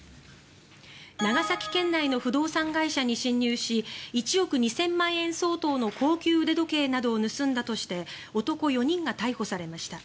長崎県内の不動産会社に侵入し１億２０００万円相当の高級腕時計などを盗んだとして男４人が逮捕されました。